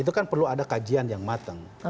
itu kan perlu ada kajian yang matang